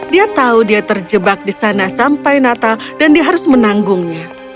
dia tahu dia terjebak di sana sampai natal dan dia harus menanggungnya